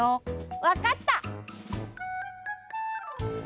わかった！